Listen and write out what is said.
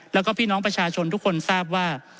แล้วก็พี่น้องประชาชนทุกคนทราบว่า